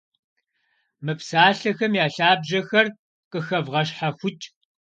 Мы псалъэхэм я лъабжьэхэр къыхэвгъэщхьэхукӏ.